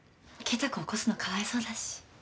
圭太君起こすのかわいそうだし。